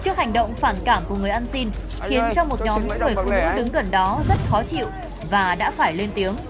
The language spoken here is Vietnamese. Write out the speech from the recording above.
trước hành động phản cảm của người ăn xin khiến cho một nhóm những người phụ nữ đứng gần đó rất khó chịu và đã phải lên tiếng